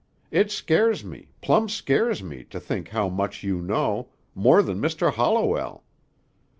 It scares me, plumb scares me, to think how much you know, more than Mr. Holliwell!